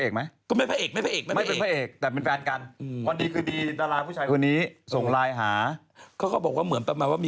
ก็เป็นมาเถอะก็ถือว่าเป็นนะ